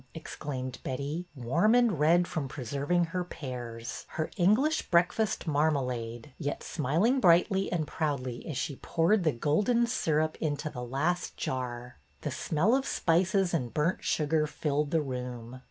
exclaimed Betty, warm and red from preserving her pears, — her English Breakfast Marmalade,'' — yet smiling brightly and proudly as she poured the golden syrup into the last jar. The smell of spices and burnt sugar filled the room.